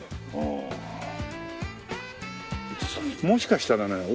もしかしたらね